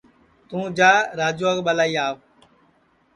توں جا راجوا کُو ٻلائی آو